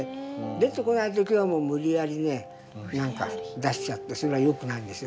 出てこない時はもう無理やりね出しちゃってそれはよくないんですよ